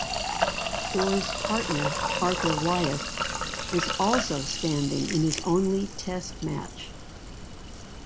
Orr's partner, Arthur Wyeth, was also standing in his only Test match.